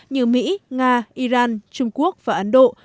như mỹ nga iran trung quốc và ấn độ